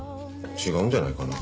違うんじゃないかな。